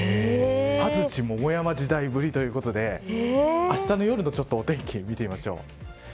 安土桃山時代ぶりということであしたの夜のお天気見てみましょう。